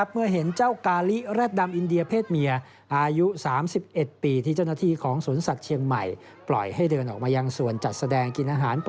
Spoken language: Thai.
เมื่อเห็นเจ้ากาลิรัฐดำอินเดียเพศหมี่